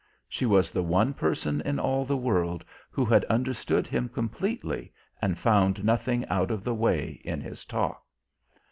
She was the one person in all the world who had understood him completely and found nothing out of the way in his talk.